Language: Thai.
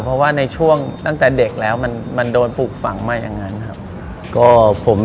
เพราะว่าในช่วงตั้งแต่เด็กแล้วมันโดนปลูกฝังมาอย่างนั้นครับ